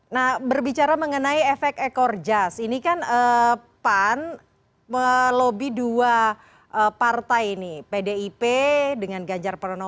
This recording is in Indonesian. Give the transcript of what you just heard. nah berbicara mengenai efek ekor jas ini kan pan melobi dua partai ini pdip dengan ganjar pranowo